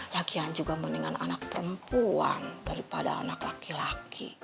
lagian juga mendingan anak perempuan daripada anak laki laki